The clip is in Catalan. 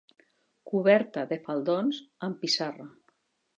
Coberta de faldons amb pissarra.